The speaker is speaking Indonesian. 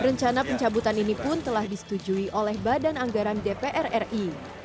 rencana pencabutan ini pun telah disetujui oleh badan anggaran dpr ri